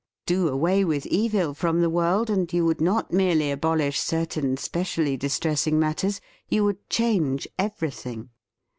Do away with Evil from the world, and you would not merely abolish certain spe cially distressing matters, you would change everything.